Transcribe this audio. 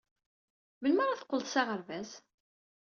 Melmi ara d-teqqleḍ s aɣerbaz?